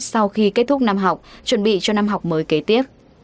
sau khi kết thúc năm học chuẩn bị cho năm học mới kế tiếp